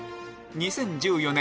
２０１４年